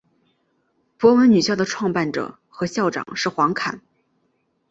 博文女校的创办者和校长是黄侃。